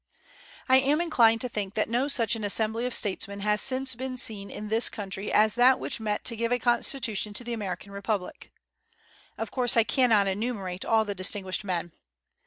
I am inclined to think that no such an assembly of statesmen has since been seen in this country as that which met to give a constitution to the American Republic. Of course, I cannot enumerate all the distinguished men.